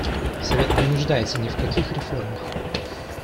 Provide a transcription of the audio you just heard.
Совет не нуждается ни в каких реформах.